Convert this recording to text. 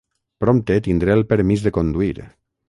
Prompte tindré el permís de conduir...